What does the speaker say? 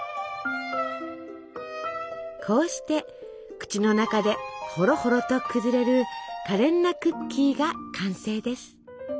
こうして口の中でホロホロと崩れる可憐なクッキーが完成です。